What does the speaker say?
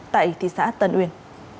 tại thị xã tân uyên